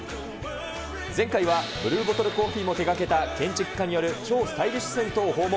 前回はブルーボトルコーヒーも手がけた建築家による超スタイリッシュ銭湯を訪問。